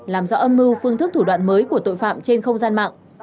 làm rõ âm mưu phương thức thủ đoạn mới của tội phạm trên không gian mạng